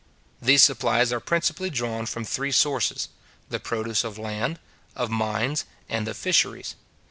These supplies are principally drawn from three sources; the produce of land, of mines, and of fisheries.